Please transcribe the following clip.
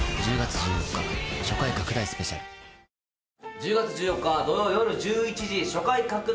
１０月１４日土曜よる１１時初回拡大